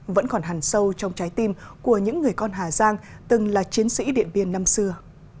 vẫn còn hẳn sâu trong trái tim của những người con hà giang từng là chiến sĩ điện biên năm xưa